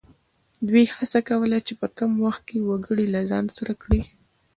دوی هڅه کوله چې په کم وخت کې وګړي له ځان سره کړي.